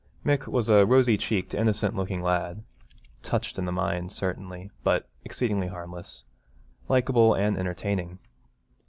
Mick was a rosy cheeked, innocent looking lad, touched in the mind, certainly, but exceedingly harmless, likeable and entertaining.